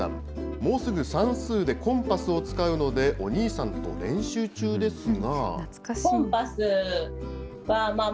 もうすぐ算数でコンパスを使うので、お兄さんと練習中ですが。